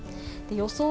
予想